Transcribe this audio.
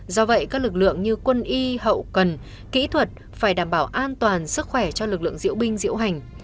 do vậy các lực lượng như quân y hậu cần kỹ thuật phải đảm bảo an toàn sức khỏe cho lực lượng diễu binh diễu hành